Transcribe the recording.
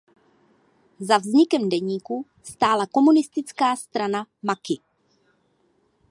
Za vznikem deníku stála komunistická strana Maki.